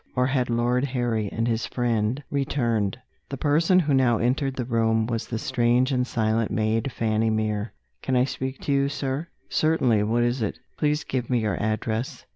or had Lord Harry and his friend returned? The person who now entered the room was the strange and silent maid, Fanny Mere. "Can I speak to you, sir?" "Certainly. What is it?" "Please give me your address."